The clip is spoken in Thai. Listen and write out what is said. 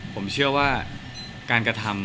ผมเชื่อว่าการกระทำ